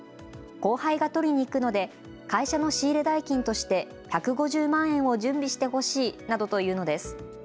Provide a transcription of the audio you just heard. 後輩が取りに行くので会社の仕入れ代金として１５０万円を準備してほしいなどと言うのです。